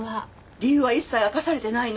理由は一切明かされてないの。